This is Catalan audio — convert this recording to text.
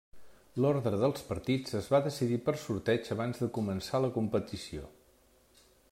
L'ordre dels partits es va decidir per sorteig abans de començar la competició.